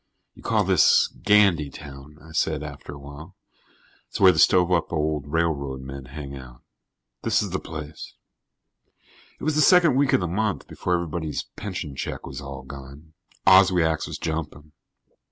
"You call this Gandytown," I said after a while. "It's where the stove up old railroad men hang out. This is the place." It was the second week of the month, before everybody's pension check was all gone. Oswiak's was jumping.